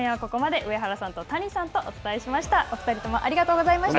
上原さんと谷さんとお伝えしました。